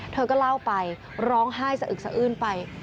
เธอก็เล่าไปร้องไห้สะอึกสะอื้นไป